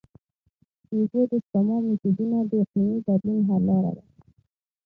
د اوبو د سپما میتودونه د اقلیمي بدلون حل لاره ده.